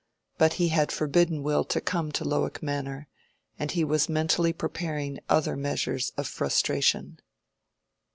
But he had forbidden Will to come to Lowick Manor, and he was mentally preparing other measures of frustration.